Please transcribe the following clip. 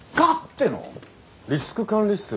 リスク管理室？